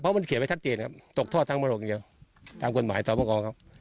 เพราะมันเขียนไปทักเจนครับตกทอดทางบริโกะแค่นี้ตามความหมายสอบกรครับ